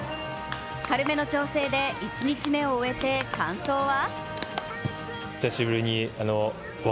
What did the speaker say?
軽めの調整で１日目を終えて感想は？